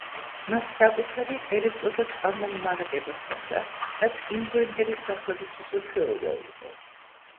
მას საკუთარი ელექტრო და წყალმომარაგება ჰქონდა, რაც იმდროინდელი სახლებისთვის უჩვეულო იყო.